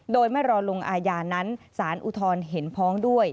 โดยไม่รอลงอาญานั้นสารอุทธรณ์เห็นพ้องด้วย